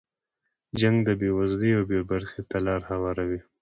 جنګ د بې وزلۍ او بې برخې ته لاره هواروي.